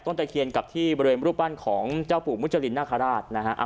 ตะเคียนกับที่บริเวณรูปปั้นของเจ้าปู่มุจรินนาคาราชนะฮะ